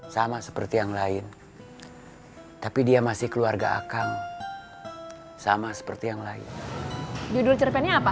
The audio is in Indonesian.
sama seperti yang lain tapi dia masih keluarga akang sama seperti yang lain judul cerpennya apa